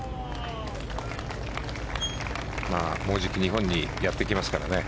もうじき日本にやってきますからね。